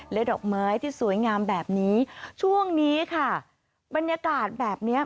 และดอกไม้ที่สวยงามแบบนี้ช่วงนี้ค่ะบรรยากาศแบบเนี้ย